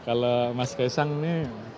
ya kalau mas kaisang ini